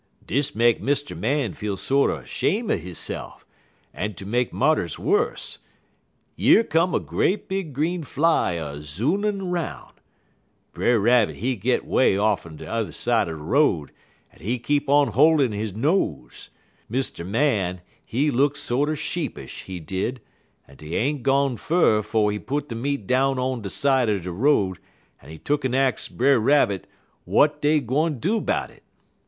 "Dis make Mr. Man feel sorter 'shame' hisse'f, en ter make marters wuss, yer come a great big green fly a zoonin' 'roun'. Brer Rabbit he git way off on t'er side er de road, en he keep on hol'in' he nose. Mr. Man, he look sorter sheepish, he did, en dey ain't gone fur 'fo' he put de meat down on de side er de road, en he tuck'n ax Brer Rabbit w'at dey gwine do 'bout it.